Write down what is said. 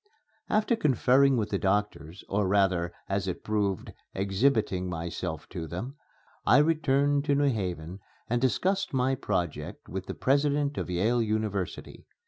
After conferring with the doctors, or rather as it proved exhibiting myself to them, I returned to New Haven and discussed my project with the President of Yale University.